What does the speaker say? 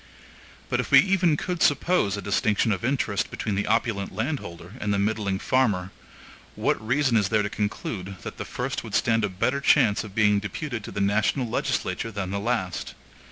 But if we even could suppose a distinction of interest between the opulent landholder and the middling farmer, what reason is there to conclude, that the first would stand a better chance of being deputed to the national legislature than the last?